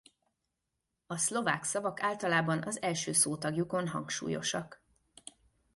A szlovák szavak általában az első szótagjukon hangsúlyosak.